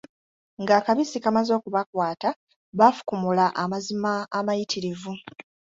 Ng'akabisi kamaze okubakwata, baafukumula amazima amayitirivu,